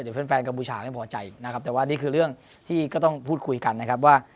เดี๋ยวแฟนกัมพูชาไม่พอใจนะครับแต่ว่านี่คือเรื่องที่ก็ต้องพูดคุยกันนะครับว่า